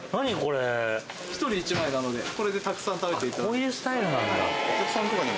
こういうスタイルなんだ。